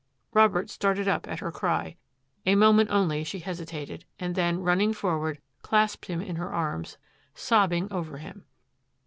Robert started up at her cry. A moment only she hesitated, and then, running forward, clasped him in her arms, sobbing over him.